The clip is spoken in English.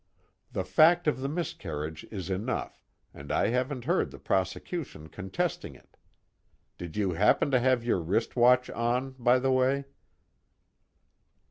The fact of the miscarriage is enough, and I haven't heard the prosecution contesting it. Did you happen to have your wrist watch on, by the way?"